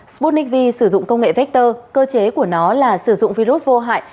sputnik v sử dụng công nghệ vector cơ chế của nó là sử dụng virus vô hại